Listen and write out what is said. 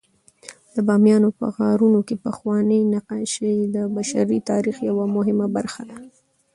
د بامیانو په غارونو کې پخواني نقاشۍ د بشري تاریخ یوه مهمه برخه ده.